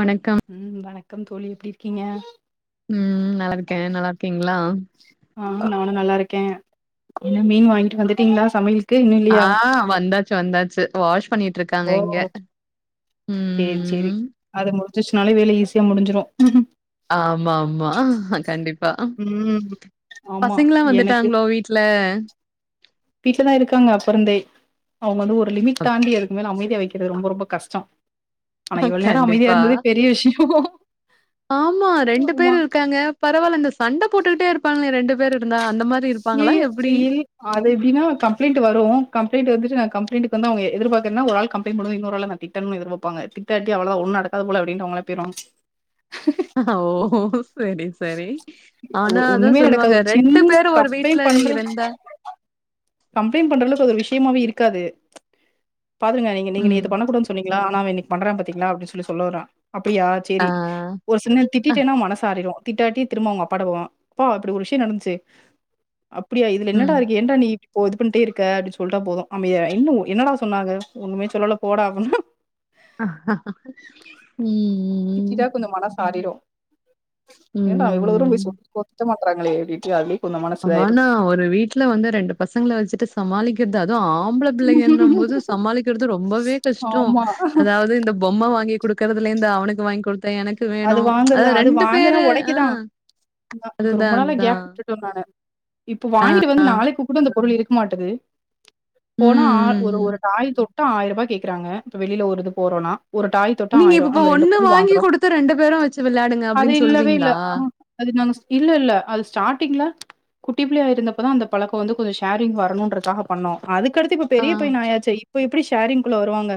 வணக்கம் ம் வணக்கம் தோழி எப்டி இருக்கீங்க ம் நல்லா இருக்கே நல்லா இருக்கீங்ளா ஆமா நானு நல்லா இருக்கே என்ன மீன் வாங்கிட்டு வந்துட்டீங்ளா சமையல் ஆ வந்தாச்சு வந்தாச்சு வாஷ் பண்ணிட்ருக்காங்க ஓ இங்க ம் சேரி ம் சேரி ம் அது முடிஞ்சிச்னாலே வேல ஈஸியா முடிஞ்சிரு ஆமா ஆமா கண்டிப் பா ம் ஆமா பசங்கல்லா எனக்கு வந்துட்டாங்ளோ வீட்ல வீட்லதா இருக்காங்க அப்பருந்தே அவுங்கள வந்து ஒரு லிமிட் தாண்டி அதுக்குமேல அமைதியா வெக் கிறது ரொம்ப ரொம்ப கஷ்டோ ஆனா இவ்வள் நேரோ அமைதியா கண்டிப்பா. இருந்ததே பெரிய விஷ்யோ ஆமா ரெண்டு பேர் இருக்காங்க பரவால்ல இந்த சண்ட போட்டுக்கிட்டே இருப்பாங்ளே ரெண்டு பேர் இருந்தா அந்த மாரி சி இருப்பாங்களா எப்டி? இல் அது எப்டினா கம்ப்ளைண்ட்டு வரு கம்ளைண்டு வந்துட்டு நா கம்ப்ளைண்டைக் வந்தா அவுங்க எ எதிர் பாக்கற்ன்னா ஒரு ஆள் கம்ளைண்ட் பண்ணுவா இன்னோரு ஆள காட்டி திட்டணுன் எதிர்பாப்பாங்க திட்டாட்டி அவ்வள தா ஒன்னு நடக்காது போல அப்டின்ட்டு அவுங்களே போய்ருவாங் ஓ செரி செரி ஆனா அதா ஒண்ணுமே சொல்வாங்க நடக்காது ஒரு ரெண்டு சின்ன பேரு ஒரு வீட்ல கம்ப்ளைண்ட் பண்ற இருந்தா கம்ப்ளைண்ட் பண்றளவுக்கு அது ஒரு விஷயமாவே இருக்காது பாத்துருங்க நீங்க நீங்க ம். நேத்து பண்ணக்கூடாதுன் சொன்னீங்ளா ஆனா அவ இன்னிக்கி பண்றா பாத்தீங்களா அப்டின் சொல்லி சொல்ல வருவா அப்டியா ஆ. செரி ஒரு சில் நேர் அ திட்டீட்டேன்னா மனசு ஆறிரு திட்டாட்டி திரும்ப அவுங்க அப்பாட்ட போவா அப்பா இப்டி ஒரு விஷ்யோ நடந்ச்சு அப்பிடியா இதுல என்னடா ம். இருக்கு ஏன்டா நீ போ இது பண்ட்டே இருக்க அப்டின் சொல்ட்டா போது அமைதியாய்ர்வா இன்னு என்னடா சொன்னாங்க ஒன்னுமே சொல்லல போடா அப்பிட்னா ம், ம் ம் திட்டீட்டா கொஞ்ச மனசு ஆறிரு ஏன்டா அவ இவ்ளோ தூரோ ம். போய் [inaudible] திட்ட மாட்றாங்களே அப்டின்ட்டு அதுல ஆனா ஒரு வீட்ல வந்து ரெண்டு பசங்கள வெச்சிட்டு சமாளிக்கற்து அது ஆம்பள பிள்ளைங்கன்னம்போது சமாளிக்கிறது ரொம்பவே கஷ்டோ ஆமா அதாவ்து இந்த பொம்ம வாங்கி குடுக்கற்துலிர்ந்து அவனுக்கு வாய்ங் குடுத்தே எனக்கு அது வேணும். வாங்கறதா அது வாங்குனா பேரு ஆ ஒடைக்குதா ஆமா இப்ப ரொம்ப அதுதான், நாளா அதுதான். கேப் விட்டு ட்டே நானு இப்ப வாங்கிட்டு வந்து நாளைக்கு கூட அந்த பொருள் இருக் மாட்டுது ம், போனா ஆ ம், ஒரு ம். ஒரு டாய் தொட்டா ஆயர்ருபா கேக்கறாங்க இப்ப வெளில ஒரு இது போறோன்னா ஒரு டாய் தொட்டா நீங்க இப்பப்ப நம்ம ஒன்னு பொருள் வாங்கி வாங்குறோம். குடுத்து ரெண்டு பேரு வெச்சு விளாடுங்க அது இல்லவே இல்ல ஆ ஆ அது நாங்க இல்ல இல்ல அது ஸ்டாட்டிங்ல குட்டி பிள்ளையா இருந்தப்ப தா அந்த பழக்கோ வந்து கொஞ்ச ஷேரிங் வரணுன்றக்காக பண்ணோ அதுக்கடுத்து இப்ப ஆ, பெரிய பையன் ஆயாச்சே இப்ப எப்டி ஷேரிங்குள்ள வருவாங்க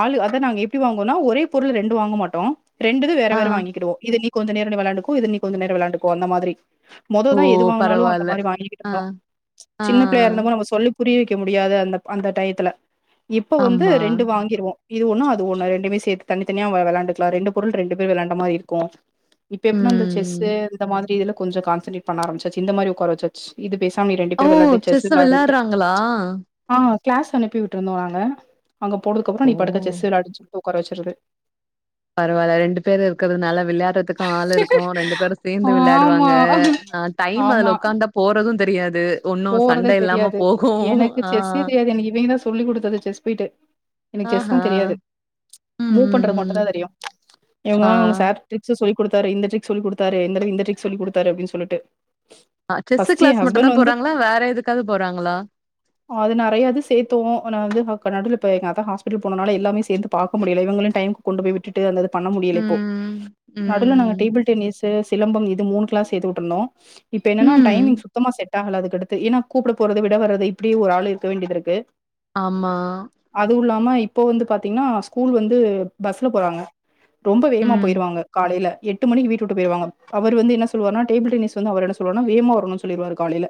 ஆளு அதா நாங்க எப்டி வாங்குவோன்னா ஒரே பொருள் ரெண்டு வாங்க மாட்டோ ரெண்டுது வேற ஆ. வேற வாங்கி கிடுவோ இது நீ கொஞ்ச நேரோ நீ விளாண்டுக்கோ இது நீ கொஞ்ச நேரோ விளாண்டுக்கோ அந்த மாதிரி மொதோ ஓ! தா எது வாங்குனாலு அந்த பரவால்ல. மாரி ஆ, வாங்கிகிட்ருந்தோ ஆ, சின்ன பிள்ளையா இருந்த மோது நம்ம சொல்லி புரிய வெக்க முடியாது அந்த அந்த டயத்துல இப்ப வந்து ஆமா. ரெண்டு வாங்கிருவோ இது ஒன்னு அது ஒன்னு ரெண்டுமே சேத்து தனி தனியா வ வெளாண்டுக்கலா ரெண்டு பொருள் ரெண்டு பேர் விளாண்ட மாரி இருக்கு இப்ப எப்பிட்னா இந்த செஸ்சு ம். இந்த மாதிரி இதுல கொஞ்ச கான்சன்ரேட் பண்ண ஆரம்பிச்சாச்சி இந்த மாரி உக்கார வெச் சு இது பேசாம நீ ரெண்டு ஓ! பேரு விளாடு செஸ் செஸ்ஸ விளாடுன்ட்ட விளையாடுறாங்களா? ஆ கிளாஸ் அனுப்பி விட்ருந்தோ நாங்க அங்க போனதுக்கப்பறோ நீ ஓ! பாட்டுக்க செஸ் விளாடு சொல்ட்டு உக்கார வெச்சர்றது பரவால்ல ரெண்டு பேர் இருக்கற்துனால விளாட்றதுக் ஆள் இருக்கு ரெண்டு பேரு சேந்து ஆமா விளாடுவாங்க ஆ டைம் ஆமா அதுல உக்காந்தா போறது தெரியாது ஒன்னு சண்ட போறதே இல்லாம தெரியாது போகு எனக்கு ஆ செஸ்ஸே தெரியாது எனக்கு இவிங்க தா சொல்லி் குடுத்தது செஸ் போய்ட்டு எனக்கு செஸ்லா ஆஹா தெரியாது ம் மூவ் ம் பண்றது மட்டு தா ம் தெரியு ஆ இவுங்கதா அவங்க சார் ட்ரிக்ஸ் சொல்லி குடுத்தாரு இந்த ட்ரிக் சொல்லி குடுத்தாரு இந்த இந்த ட்ரிக் சொல்லி குடுத்தாரு அப்டின்டு சொல்லிட்டு ஆ செஸு ஃபர்ஸ்ட்டு என் கிளாஸ் மட்டு தா ஹஸ்பண்ட் வந்து போறாங்களா வேற எதுக்காவது போறாங்களா அது நிறையாது சேத்தோ அனா வந்து நடுல இப்ப எங்க அப்பா ஹாஸ்பிட்டல் போனனால எல்லாமே சேந்து பாக்க முடில இவங்களு டைம் கொண்டு போய் விட்டுட்டு அந்தது பண்ண முடியல இப்போ ம் நடுவில நாங்க ம் டேபிள் டென்னிஸ் சிலம்பம் இது மூணு க்ளாஸ் சேத்து விட்ருந்தோ இப்ப என்னன்னா டைமிங் ம் சுத்தமா செட் ஆகல அதுக்கடுத்து ஏன்னா கூப்ட போறது விட வரது இப்டி ஒரு ஆள் இருக்க வேண்டியது இருக்கு ஆமா அதுவு இல்லாம இப்போ வந்து பாத்தீங்கன்னா ஸ்கூல் வந்து பஸ்ல போறாங்க ரொம்ப வேகமா ம் போயிருவாங்க காலைல எட்டு மணிக்கு வீட்டு விட்டு போயிருவாங்க அவர் வந்து என்ன சொல்லுவாருனா டேபிள் டென்னிஸ் வந்து அவர் என்ன சொல்லுவார்னா வேமா வரனு சொல்லிருவார் காலையில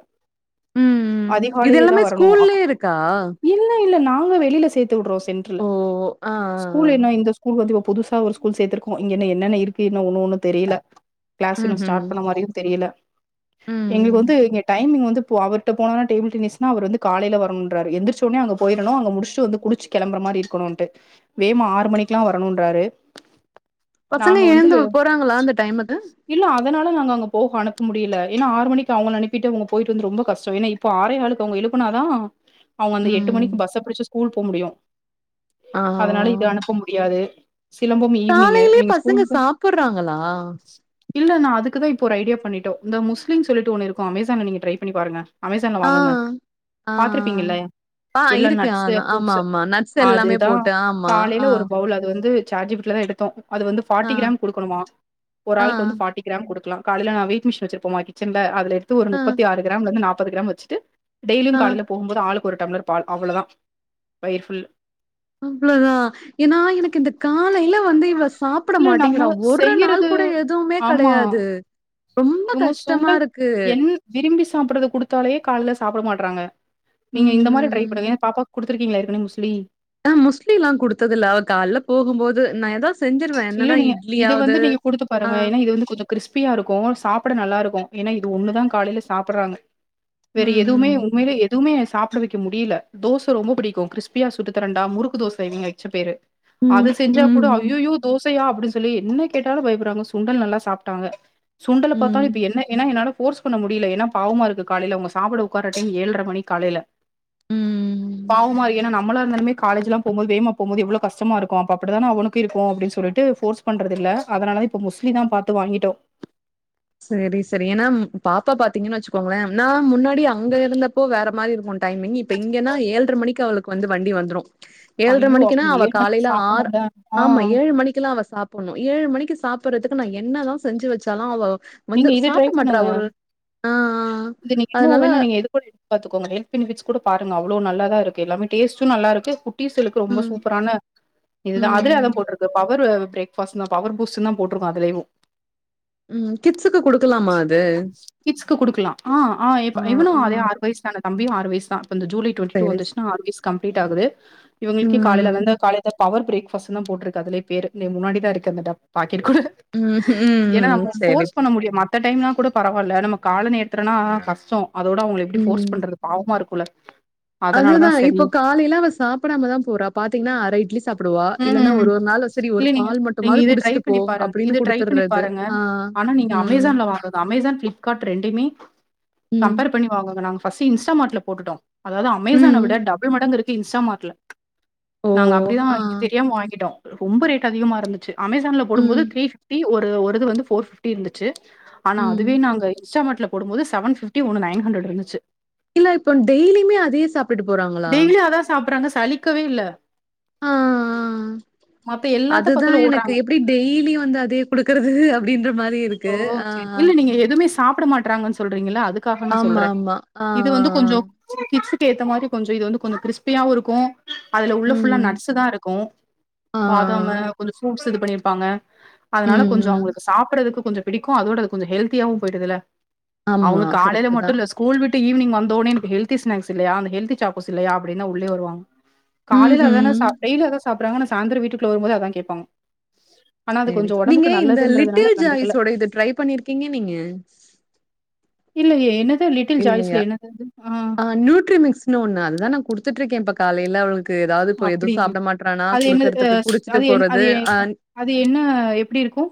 ம் இது அதிகாலையதா எல்லாமே வரணு ஸ்கூல்லயே இருக்கா? இல்ல இல்ல நாங்க வெளியில சேத்து விடுறோ சென்டர்ல ஓ ஆ ஆ ஸ்கூல் ஆ. என்ன இந்த ஸ்கூல் வந்து இப்ப புதுசா ஒரு ஸ்கூல் சேத்துருக்கோ இங்கன்ன என்னென்ன இருக்கு இன்னு ஒன்னு ஒன்னு தெரியல கிளாஸ் இன்னு ம்ஹ்ம் ஸ்டார்ட் பண்ண மாரியு தெரியல எங்களுக்கு ம் வந்து இங்க டைமிங் வந்து இப்ப அவர்ட்ட போனனா டேபிள்டென்னிஸ்னா அவர் வந்து காலையில வரனுன்ராறு எந்திரிச்ச ஒடனே அங்க போயிரனு அங்க முடிஸ்ட்டு வந்து குளிச்சு கிளம்புற மாரி இருக்கணுன்ட்டு வேமா ஆறு மணிக்குலா வரணுன்றாரு பசங்க நாங்க வந்து எழுந்து போறாங்களா அந்த டைமுக்கு இல்ல அதனால நாங்க அங்க போக அனுப்ப முடியல ஏனா ஆறு மணிக்கு அவங்கள அனுப்பிட்டு இவுங்க போயிட்டு வந்து ரொம்ப கஷ்டோ ஏன்னா இப்ப ஆறேகாளுக்கு அவங்க எழுப்புனா தா அவங்க அந்த எட்டு ம் மணிக்கு பஸ்ஸ பிடிச்சு ஸ்கூல் போ முடியு ஆ அதனால இது அனுப்ப முடியாது சிலம்பம் ஈவினிங்கு காலையிலயே இவிங்க பசங்க ஸ்கூல்கு சாப்புட்றாங்களா? இல்ல நா அதுக்குதா இப்போ ஒரு ஐடியா பண்ணிட்டோ இந்த முஸ்லீம் சொல்லிட்டு ஒண்ணு இருக்கு அமேசான்ல நீங்க ட்ரை பண்ணி பாருங்க அமேசான்ல ஆ வாங்குங்க ஆ பாத்துருப்பீங்கல்ல ஆ ஆ எல்லா இருக்கு ஆ நட்ஸு ஆமா ஃப்ரூட்ஸு ஆமா நட்ஸ் எல்லாமே அதுதா போட்டு ஆமா ஆ காலையில ஒரு பவுல் அது வந்து சாட்ஜிபிட்டில தா எடுத்தோ அது வந்து ஆ ஃபார்டி கிராம் குடுக்கணுமா ஒரு ஆ ஆளுக்கு வந்து ஃபாட்டி கிராம் குடுக்கலா காலையில நா வெயிட் மிஷின் வச்சிருப்போமா கிச்சன்ல அதுல எடுத்து ஒரு ஆ முப்பத்தி ஆறு கிராம்ல இருந்து நாப்பது கிராம் வச்சுட்டு டெய்லியு ஆ கால்ல போகும்போது ஆளுக்கு ஒரு டம்ளர் பால் அவ்வளோதா வயிர் ஃபுல் அவ்ளதா ஏன்னா எனக்கு இந்த காலையில வந்து இவ்ள சாப் ப்பிட இல்ல நம்ம மாட்டேங்கிறா ஒரு நாள் செய்யறது கூட எதுவுமே ஆமா கிடையாது ரொம்ப இவங்க கஷ்டமா சுண்டல் இருக்கு என் விரும்பி சாப்பிடறத குடுத்தாலே கால்ல சாப்பிட மாட்றாங்க நீங்க ம் இந்த மாரி ட்ரை ம் பண்ணுங்க பாப்பா குடுத் த்துருக்கீங்களா ஏற்கனே முஸ்லீ ஹ முஸ்ட்லி லா குடுத்ததில்ல அவ கால்ல போகும்போது நா எதா செஞ்சிருவே இல்ல என்னன்னா நீங்க இது இட்லியாவது வந்து நீங்க குடுத்து ஆ பாருங்க ஏன்னா இது வந்து கொஞ்சோ கிறிஸ்ப்பியா இருக்கு சாப்பிட நல்லா இருக்கு ஏன்னா இது ஒண்ணுதா காலையில சாப்பிட்றாங்க வேற ம் எதுவுமே ம் உண்மையிலே எ துமே சாப்பிட வைக்க முடியல தோசை ரொம்ப பிடிக்கு கிறிஸ்பியா சுட்டு தரண்டா முறுக்கு தோசை இவங்க வச்ச பேரு அது ம் செஞ்சா ம் கூட ம் ஐய்யயோ தோசையா அப்டி சொல்லி என்ன கேட்டாலு பயப்பட்றாங்க சுண்டல் நல்லா சாப்ட்டாங்க சுண்டல பாத்தாலு ம் இப்ப என்ன ஏன்னா என்னால ஃபோர்ஸ் பண்ண முடியல ஏன்னா பாவமா இருக்கு காலையில அவங்க சாப்ட உக்கார டைம் ஏழ்ரை மணி காலையில ம் பாவமா ஏன்னா நம்மளா இருந்தாலுமே காலேஜ் எல்லா போகும்போது வேமா போகும்போது எவ்ளோ கஷ்டமா இருக்கு அப்ப அப்படிதான அவனுக்கு இருக்கு அப்படின் சொல்லிட்டு ஃபோர்ஸ் பண்றதுல்ல அதனால இப்ப முஸ்லி தா பாத்து வாங்கிட்டோ செரி செரி ஏனா ம் பாப்பா பாத்தீங்கன் வெச்சுக்கோங்களேன் நா முன்னாடி அங்க இருந்தப்போ வேற மாரி இருக்கு டைமிங் இப்ப இங்கன்னா ஏழ்ர மணிக்கு அவளுக்கு வந்து வண்டி வந்துரு ஏழ்ர ஐயோ! மணிக்குனா அப்ப அவ மணிக்கு காலையில ஆறு சாப்பிடணும்ல. ஆ. ஆமா ஏழு மணிக்கெல்லா அவ சாப் பண்ணு ஏழு மணிக்கு சாப்பறதுக்கு நா என்னதா செஞ்சு வெச்சாலு அவ வந்து நீங்க இது ட்ரை சாப்ட மாட்றா பண்ணுங்க ஒரு ஆ ஆ இது நீங்க இன்ன அதனால வேணா நீங்க இது [unintelligible] பாத்துகோங்க ஹெல்து ஃபெனிபிட் கூட பாருங்க அவ்ளோ நல்லாதா இருக்கு எல்லாமே டேஸ்டு நல்லாருக்கு கு டீஸ்சலுக்கு ரொம்ப ம் சூப்பரான இதுதா அதுல அதா ம் போட்டிருக்கு பவரு பிரேக் ஃபாஸ்ட்னா பவர் பூஸ்டுன்தா போட்டிருக்கு அதுலயு ம் கிட்ஸுக்கு குடுக்கலாமா அது கிட்ஸ்க்கு குடுக்கலா ஆ ஆ இப் இவனு அதே ஆறு வைஸ்தான தம்பியு ஆறு வய்சுதா ஜூலை டுவெண்டி டூ சரி சரி. வந்துச்சுனா ஆறு வய்சு கம்ப்ளீட் ஆகுது இவுங்களுக்கு காலில ம் வந்து கால த பவர் பிரேக்ஃபாஸுன்தா போட்ருக்கு அதுலியே பேரு எ முன்னாடிதா இருக்கு அந்த டப் பாக்கெட் கூட ம் ஏன்னா ம் நம்ம செரி ஃபோர்ஸ் பண்ண செரி மத்த டைம்லா கூட பரவால்ல நம்ம கால நேர்த்துலனா கஷ்டோ அதோட அவுங்ள எப்டி போர்ஸ் பண்றது பாவமா இருக்குல அதுதா இப்ப காலையில அவ சாப்பிடாமதா போறா பாத்தீங்ன்னா அர இட்லி சாப்பிடுவா இல்லன்னா ம். ஒரு ஒரு நாள் செரி ஒரு இல்ல நீங்க பால் நீங்க மட்டுமாது இத ட்ரை குடிச்சிட்டு போ பண்ணி பாருங்க. இத அப்படின்னு ட்ரை பண்ணி குடுத்துட்றது பாருங்க. ஆ ஆனா நீங்க ம். அமேசான்ல வாங்கது அமேசான் ப்ளிப்காட் ரெண்டயிமே ம். கம்பேர் பண்ணி வாங்குங்க நா ஃபஸ்ட்டு இன்ஸ்டமாட்ல போட்டுட்டோ அதாது ம். அமேசான விட டபிள் மடங்கிருக்கு இன்ஸ்டாமாட்ல ஓ! நாங்க அப்டிதா ஆ. இங்க தெரியாம வாங்கிட்டோ ரொம்ப ரேட் அதிகமா இருந்துச்சு அமேசான்ல்ல ம். போடும்போது த்ரீ ஃபிஃப்டி ஒரு ஒரிது வந்து ஃபோர் ஃபிஃப் இருந்துச்சு ஆனா ம். அதுவே நாங்க இன்ஸ்டாமாட்ல போடும்போது செவன் ஃபிஃப்டி ஒன்னு நைன் ஹண்ட்ரட்ருந்துச்சு இல்ல இப்போ டெய்லியுமே அதே சாப்டுட்டு போறாங்களா டெய்லி அதான் சாப்பிடுறாங்க. சலிக்கவே இல்ல. ஆ மத்த எல்லாத்த பாத்தாலு ஓட்றாங்க இப்பிடி டெய்லி வந்து அதே குடுக்குறது அப்படின்ற மாரி இரு ஓ செ இல்ல நீங்க எதுமே சாப்பிட மாட்டறாங்கன் சொல்றீங்கள அது க்காக நா ஆமா, சொல்றே ஆமா. ஆ, ஆ. இது வந்து கொஞ்சோ கிட்ஸ்க்கு ஏத்த மாரி கொஞ்சோ இது வந்து கொஞ்சோ க்ரிஸ்பியாவு இருக்கு அதுல உள்ள ம். ஃபுல்லா நட்ஸுதா இருக்கு ஆ. பாதாமு கொஞ்சோ ஃப்ரூட்ஸ் இது பண்ணியிருப்பாங்க ம், அதனால கொஞ்சோ ம். அவுங்களுக்கு சாப்பிறதுக்கு கொஞ்சோ பிடிக்கு அதோட அது கொஞ்சோ ஹெல்தியாவு போயிடுதில்ல ஆமா. அவுங்க காலையில கரெக்ட்டு தான். மட்டுல்ல ஸ் கூல் விட்டு ஈவினிங் வந்தோனே எனக்கு ஹெல்தி ஸ்நாக்ஸ் இல்லயா அந்த ஹெல்தி சாக்ஸ்கோஸ் இல்லயா அப்படின்தா உள்ளே வருவாங்க காலைல அதானே ம்ஹ்ம். சாப் டெய்லி அதா சாப்பறாங்க ஆனா சாய்ந்தரோ வீட்டுக்குள்ள வரும்போது அதா கேப்பாங்க ஆனா அது சேரி கொஞ்சோ நீங்க ஒடம்புக்கு இந்த நல்லதுன்றதுனால லிட்டில் கண்டுக்கல ஜாய்ஸ்யோட இது ட்ரை பண்ணியிருக்கீங்க நீங்க இல்லயே என்னது லிட்டில் ஜாய்ஸ்ல என்னதது ஆ அ நியூட்ரிமிக்ஸ்னு ஒண்ணு அதுதா நா குடுத்துட்ருக்கே இப்ப காலையில அவளுக் கு எதாவ்து இப்ப எது அப்டிங்க சாப்பிட மாட்றானா அது என்ன குடுக்கறதுக்கு குடிச்சுட்டு அது என் போறது அது எ அ அது என்ன எப்டி இருக்கு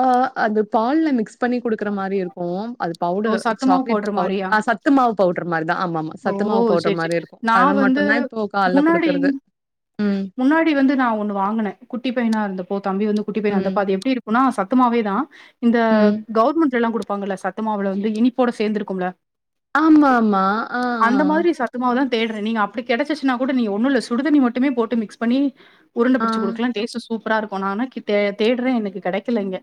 ஆ அது பால்ல மிக்ஸ் பண்ணி குடுக்குற மாரி இருக்கு அது ஓ பவுடரு சத்தமாவு சாக்லேட் போடுற பவ் மாரியா அ சத் துமாவு பவுட்ரு மாரிதா ஆமாமா ஓ சத்து மாவு பவுடன் சேரி மாரி சேரி இருக்கு நா அத வந்து மட்டுந்தா இப்போ கால்ல முன்னாடி குடுக்கறது ம் முன்னாடி வந்து நா ஒன்னு வாங்குன குட்டி பையனா இருந்தப்போ தம்பி வந்து குட்டி பையனா இருந்தபோ ம் அது எப்டி இருக்குனா சத் துமாவேதானன இந்த ம் கவுர்மெண்ட்லெல்லா குடுப்பாங்கல்ல சத்தமாவுல வந்து இனிப்போட சேந்திருக்குமுல ஆமா ஆமா ஆ ஆ அந்த மாரி சத்தமாவ தா தேட்ற நீங்க அப்டி கெடச்சிச்சுன்னா கூட நீ ஒண்ணுல்ல சுடுதண்ணி மட்டுமே போட்டு மிக்ஸ் பண்ணி உருண்ட ஆ பிடிச்சு குடுக்லா டேஸ்ட்டு சூப்பரா இருக்கோ நா ஆனா கே தேட்ற எனக்கு கெடைக்கல இங்க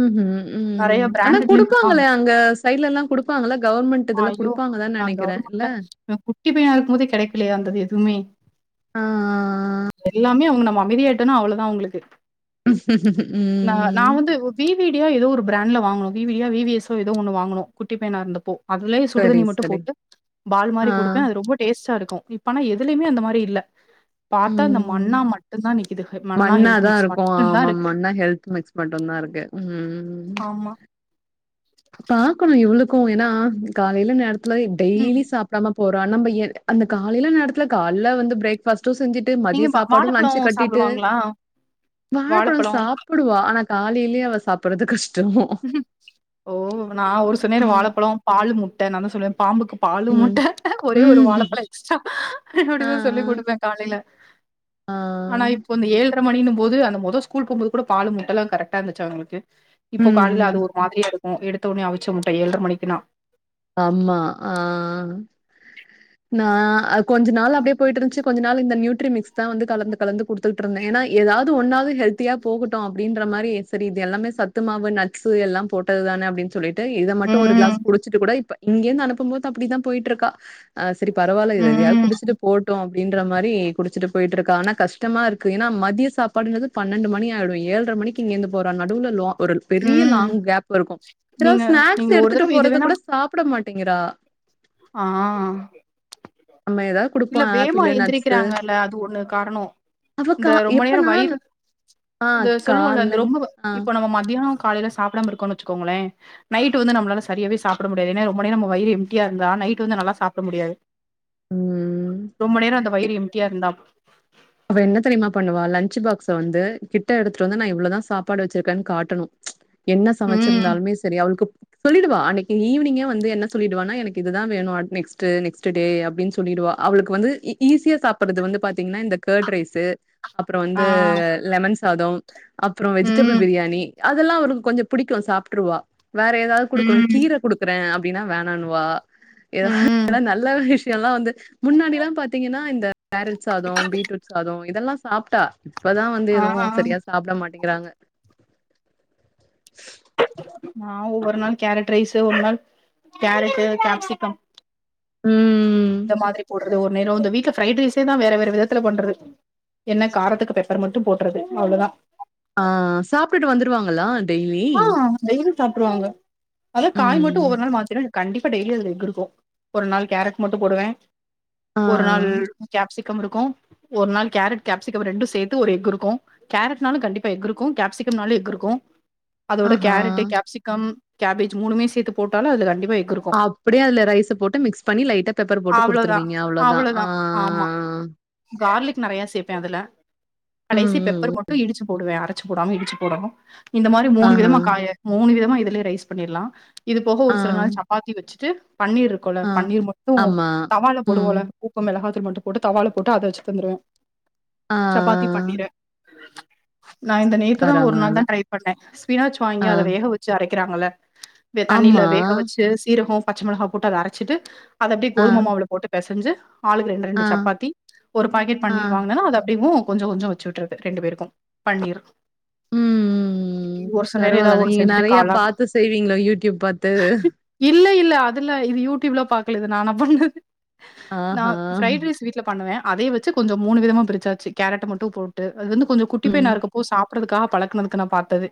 ம் ஹும் ம் நெறைய ம் ஆனா பிராண்டட்லயே விப்பாங்க குடுப்பாங்ளே அங்க சைட்லெல்லா குடுப்பாங்கல்ல கவர்மெண்ட் இதுல ஐயோ குடுப்பாங்கதா நெனைக்கிற இல்ல கவர்மெண்ட்ல நா குட்டி பையனா இருக்கும் போதே கெடைக்கலையா அந்தது எதுமே ஆ. எல்லாமே அவுங்க நம்ம அமைதியாட்டோனா அவ்ளோதா அவுங்ளுக்கு ந நா ம். வந்து வி வி டியோ ஏதோ ஒரு பிராண்ட்ல வாங்ணு வி வி டியோ வி வி எஸ் ஒ ஏதோ ஒன்னு வாங்னு குட்டி பையனா இருந்தப்போ அதுலே சரி, சுடுதண்ணி மட் சரி. போட்டு பால் ஆ. மாரி குடுப்பே அது ரொம்ப டேஸ்ட்டாருக்கு இப்பனா எதுலேயுமே அந்த மாரி இல்ல பாத்தா அந்த மண்ணா மட்டு தா நிக்குது மன்னா மண்ண ஹெல்த் தா மிக்ஸ் இருக்கோ மட்டும் தான் ஆமா இருக்கு. மண்ணா ஹெல்த் மிக்ஸ் மட்டுதா இருக்கு ஆமா பாக்கணு இவ்ளுக்கு ஏன்னா காலையில நேரத்துல டெய்லி ம். சாப்டாம போறோம் நம்ம எ அந்த காலைல நேரத்துல காலைல வந்து பிரேக் ஃபாஸ்ட்டு செஞ்சுட்டு ட்டு நீங்க மதிய ப சாப்பாடு லஞ்ன்சு வாழைப்பழம் கட்டிட்டு சாப்பிடுவாங்களா? வாழப்பழோ வாழைப்பழம். சாப் சாப்டுவா ஆனா காலைலே அவ சாப்பறது கஷ்டமோ ம் ஓ நா ஒரு சொன்னனே ம், வாழப்பழம் பாலு முட்ட நா தா சொல்வ பாம்புக்கு பாலு ம். முட்ட ஒரே ஒரு ம். வாழப்பழம் ஆ இப்டிதா ஆ சொல்லி குடுப்பே காலைல ஆ ஆனா இப்போ இந்த ஏழ்ற ஏழு மணினு போது அந்த முத ஸ்கூல் போகுபோது பால் முட்டல்லா கரெக்டா இருந்துச்சு அவுங்களுக்கு இப்போ ம் காலைல அது ம் ஒரு மாதிரியா இருக்கு எடுத்த உடனே அவிச்ச முட்ட ஏழர மணிக்குனா ஆமா ஆ நா கொஞ்ச நாள் அப்டியே போய்ட்டு இருந்துச்சு கொஞ்ச நாள் இந்த நியூட்ரி மிக்ஸ் தா வந்து கலந்து கலந்து கொடுத் தோட்ருந்தே ஏன்னா எதாவ்து ஒன்னாவ்து ஹெல்த்தியா போகட்டு அப்டின்ற மாரி சரி இது எல்லாமே சத் சத்து மாவு நட்ஸ் எல்லாம் போட்டதுதானே அப்டின் சொல்லி ட௰இத மட்டோ ஒரு கிளாஸ் ம் குடிச்சுட்டு கூட இப்ப இங்கருந்து அனுப்பு போது அப்டிதா போயிட்டுருக்கா ஆ செரி பரவால்ல இதுயா ம் குடிச்சுட்டு போ ட்டு அப்டின்ற மாரி குடிச்சுட்டு போயிட்டு இருக்கா ஆனா கஷ்டமா இருக்கு ஏன்னா மத்திய சாப்பாடுனது பன்னெண்டு மணி ஆயிடு ஏழ்ர மணிக்கு இங்கிந்து போறா நடுவுல லா ஒரு பெரிய ம் லாங் கேப்ல இருக்கோ அப்றோ நீங்க ஸ்நாக்ஸ் நீங்க ஒரு எடுத்துட்டு தடவ இது போறது வேணா கூட சாப்பிட மாட்டேங்கிறா ஆ நம்ம ஏதாவது குடுப்போ இல்ல வேமா ஆப்பிளு நட்ஸ் எந்திரிக்கிறாங்கல்ல அது ஒண்ணு காரணோ அவ கா இந்த ரொம்ப நேர எப்பனா வயிறு ஆ இந்த சொல்லுவோல கால்ல இந்த ரொம்ப ஆ இப்ப நம்ம மதியானோ காலைல சாப்டாம இருக்கோனுன் வெச்சுகோங்ளே நைட்டு வந்து நம்மளால சரியவே சாப்பிட முடியாது ஏனா ரொம்ப நேரோ நம்ம வயிறு எம் டி யா ந்தா நைட் வந்து நல்லா சாப்ட முடியாது ம் ரொம்ப நேர அந்த இ வயிறு எம்ட்டியா இருந்தா அவ என்ன தெரியுமா பண்ணுவா லஞ்சு பாக்ஸ்ஸ வந்து கிட்ட எடுத்துட்டு வந்து நா இவ்ளதா சாப்பாடு வெச்சிருக்கேன்னு காட்டணு என்ன ம் சமச்சிருந்தாலுமே செரி அவுளுக்கு சொல்லிடுவா அன்னைக்கு ஈவினிங்கே வந்து என்ன சொல்லிடுவான்னா எனக்கு இதுதா வேனு நெஸ்ட்டு நெக்ஸ்ட் டே அப்டின்னு சொல்லிடுவா அவளுக்கு வந்து இ ஈஸியா சாப்பறது வந்து பாத்தீங்கன்னா இந்த கேர்ட் ரைஸ்ஸு அப்புற வந்து ஆ லெமன் சாதம் அப்புற வெஜிடேபிள் ம் பிரியாணி அதெல்லா அவளுக்கு கொஞ்ச பிடிக்கு சாப்ட்ருவா வேற எதாவ் குடுக்குணு ம் கீர குடு க்குறே அப்டினா வேணானுவா ம் எதனா நல்ல விஷியோல்லா வந்து முன்னாடில்லாம் பாத்தீங்கன்னா இந்த கேரட் சாதோ பீட்ரூட் சாதோ இதெல்லா சாப்ட்டா இப்பதா வந்து ஆ ஆ எதுவும் சரியா சாப்ட மாட்டேங்கிறாங்க நா ஒவ்வொரு நாள் கேரட் ரைஸு ஒரு நாள் கேரட்டு கேப்சிக்கம் ம் இந்த மாதிரி போடுறது ஒரு நேரோ இந்த வீட்ல பிரைட் ரைஸே தா வேற வேற விதத்துல பண்றது என்ன காரத்துக்கு பெப்பர் மட்டும் போட்டுறது அவ்ளதா ஆ சாப்ட்டுட்டு வந்துடுவாங்களா டெய்லி வெய்லி சாப்டுவாங்க அத காய் மட்டு ம் ஒவ்வொரு நாள் மாத்திருவ கண்டிப்பா டெய்லி அதுல எக் இருக்கு ஒரு நாள் கேரட் மட்டு போடுவே ஆ ஒரு நாள் கேப்சிகம் இருக்கு ஒரு நாள் கேரட் கேப்சிக்கம் ரெண்டு சேத்து ஒரு எக் இருக்கு கேரட்னாலு கண்டிப்பா எக் இருக்கு கேப்சிக்கம்னாலு எக் இருக்கு அதோட ஆஹா கேரட்டு் கேப்சிக்கம் கேபேஜ் மூனுமே சேத்து போட்டாலு அதுல கண்டிப்பா எக் இரு அப்பிடியே அதுல ரைஸ போட்டு மிக்ஸ் பண்ணி லைட்டா பெப்பர போட்டு அவ்ளோதா குடுத்துருவீங்க அவ்ளோதா ஆ ஆமா கார்லிக் நறையா சேப்பே அதுல ம் கடேசி பெப்பர் ம் ம க்கு இடுச்சு போடுவே அரச்சு போடாம இடுச்சு போடணு இந்த மாரி மூனு விதமா ஆஹா காய மூனு விதமா இதுலயே ரைஸ் பண்ணீர்லா இது போக ஆ, ஒரு சில நாள் சப்பாத்தி வெச்சுட்டு பன்னீர் இரு க்குல ஆ. பன்னீர் மட்டு ஆமா. தவா ல ம். போடுவோல உப்பு மொளகாத்தூள் மட்டு போட்டு தவா ல போட்டு அத வெச்சு தந்துடுவே ஆ, ஆ. சப்பாத்தி பன்னீரு நா இந்த நேத்து தா ஒரு நாள் பரவால்ல. தா ட்ரை பண்ணே ஸ்பினாஸ் வாங்கி ஆ. அத வேக வெச்சு அரக்கிறாங்கல்ல தண்ணீல ஆமா. வேக வெச்சு சீரகொ பச்ச மொளகா போட்டு அத அரச்சிட்டு அத அப்டியே ஆ, கோதும மாவுல போட்டு பெசஞ்சு ஆளுக்கு ரெண்டு ஆ, ரெண்டு சப்பாத்தி ஒரு பாக்கெட் ஆ. பன்னீர் வாங்னனா அது அப்டேயு கொஞ்சோ கொஞ்சோ வெ வெச்சு உட்ரற்றது ரெண்டு பேருக்கு பன்னீர் ம் ஒரு சில நேரம் பரவால ஏதாவது ஒண்ணு நீங்க செஞ்சுட்டு நறையா காளான் பாத்து செய்வீங்களோ யூடியூப் பாத்து இல்ல இல்ல அதெலா இது யூடியூப் லா பாக்கல இது நானா பண்ணது நா ஆஹா! ஃப்ரைட் ரைஸ் வீட்ல பண்ணுவே அதைய வெச்சு கொஞ்சொ மூனு விதமா பிரிச்சாசு கேரட்ட மட்டு போட்டு அது வந்து கொஞ்சொ குட்டி ம். பையனா இருக்கப்போ சா ப்பறதுக்கா பழக்குனதுக்கு நா பாத்தது